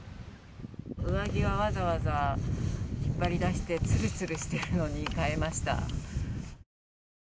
上着を引っ張り出してつるつるしたものに変えました。